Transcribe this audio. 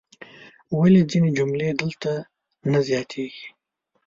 ولې ځینې جملې دلته نه زیاتیږي؟